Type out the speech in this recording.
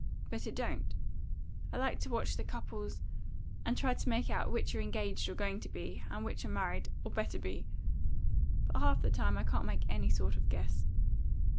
But it don't. I like to watch the couples, and try to make out which are engaged, or going to be, and which are married, or better be. But half the time I can't make any sort of guess.